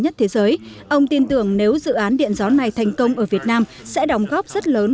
nhất thế giới ông tin tưởng nếu dự án điện gió này thành công ở việt nam sẽ đóng góp rất lớn